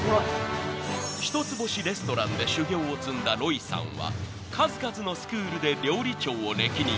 ［一つ星レストランで修業を積んだロイさんは数々のスクールで料理長を歴任］